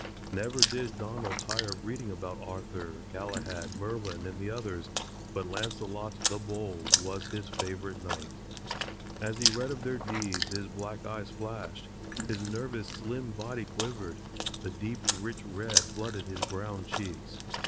Never did Donald tire of reading about Arthur, Galahad, Merlin and the others, but Launcelot, the Bold, was his favorite knight. As he read of their deeds his black eyes flashed, his nervous slim body quivered, the deep rich red flooded his brown cheeks.